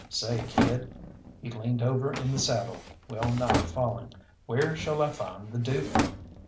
"Say, kid" he leaned over in the saddle, well nigh falling "where shall I find the Duke?"